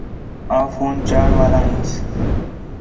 آں فون چاݨ والا ہینس